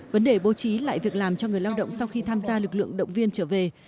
vấn đề bố trí lại việc làm cho người lao động sau khi tham gia lực lượng động viên trở về